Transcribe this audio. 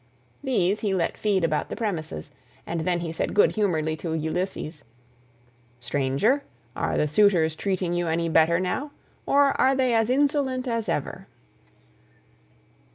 These he let feed about the premises, and then he said good humouredly to Ulysses, "Stranger, are the suitors treating you any better now, or are they as insolent as ever?"